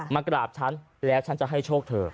มากราบฉันแล้วฉันจะให้โชคเธอ